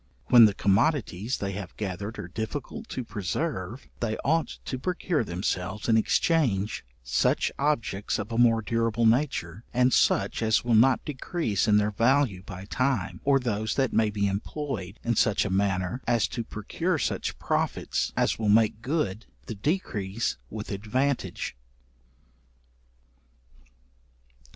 When the commodities they have gathered are difficult to preserve, they ought to procure themselves in exchange, such objects of a more durable nature, and such as will not decrease in their value by time, or those that may be employed in such a manner, as to procure such profits as will make good the decrease with advantage.